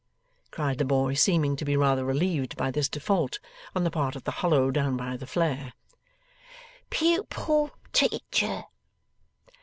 cried the boy, seeming to be rather relieved by this default on the part of the hollow down by the flare. 'Pupil teacher.